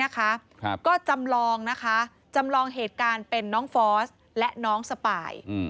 ก็จำลองเหตุการณ์เป็นน้องฟอสและน้องสปาย